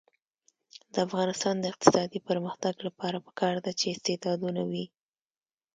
د افغانستان د اقتصادي پرمختګ لپاره پکار ده چې استعدادونه وي.